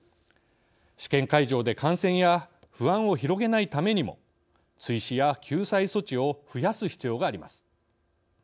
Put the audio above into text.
試験会場で、感染や不安を広げないためにも追試や救済措置を増やす必要があります。